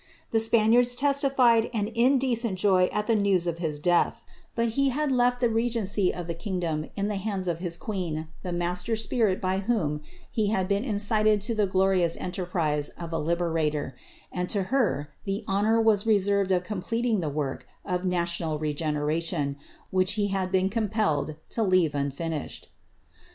The Spaniards testified an indecent joy at the news of his death, but he had left the regency of the kingdom in the hands of his queen, the master spirit by whom he had been incited to the glorious enterprise of a libentor, and to her the honour was reserved of completing the work of nationii regeneration, which he had been compelled to leave unfinished.